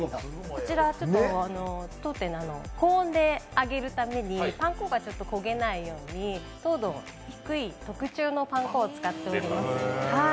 こちら、当店高温で揚げるためにパン粉が焦げないように糖度が低い、特注のパン粉を使っております。